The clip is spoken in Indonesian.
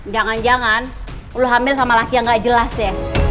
jangan jangan perlu hamil sama laki yang gak jelas ya